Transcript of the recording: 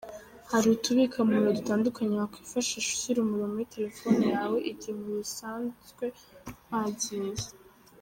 Hari utubika-muriro dutandukanye wakwifashisha ushyira umuriro muri telefone yawe igihe umuriro usanzwe wagiye.